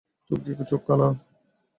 তোর কি চোখ কানা?